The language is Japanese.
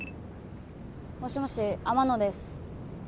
もしもし天野です。